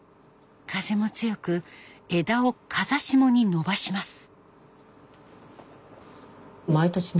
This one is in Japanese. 風も強く枝を風下に伸ばします。